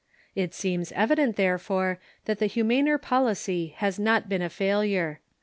It seems evident, therefore, that the humaner policy has not been a failure.